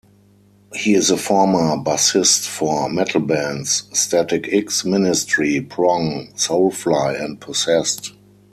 He is a former bassist for metal bands Static-X, Ministry, Prong, Soulfly, and Possessed.